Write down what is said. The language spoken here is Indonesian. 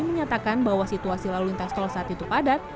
menyatakan bahwa situasi laluin tas tol saat itu padat